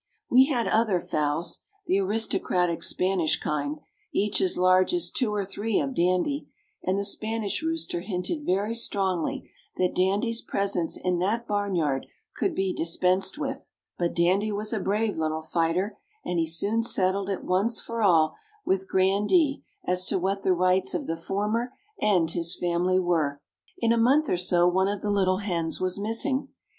We had other fowls, the aristocratic Spanish kind, each as large as two or three of Dandy, and the Spanish rooster hinted very strongly that Dandy's presence in that barnyard could be dispensed with. But Dandy was a brave little fighter, and he soon settled it once for all with Grandee as to what the rights of the former and his family were. In a month or so one of the little hens was missing.